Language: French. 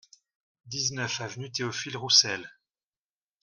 dix-neuf avenue Théophile Roussel